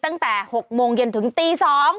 ตั้งแต่๖โมงเย็นถึงตี๒